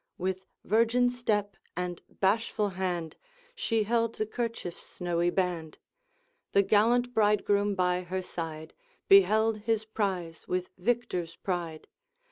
With virgin step and bashful hand She held the kerchief's snowy band. The gallant bridegroom by her side Beheld his prize with victor's pride.